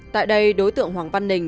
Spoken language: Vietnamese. tại đây đối tượng hoàng văn nình